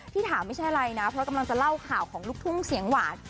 ถามไม่ใช่อะไรนะเพราะกำลังจะเล่าข่าวของลูกทุ่งเสียงหวาน